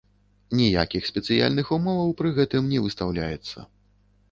Ніякіх спецыяльных умоваў пры гэтым не выстаўляецца.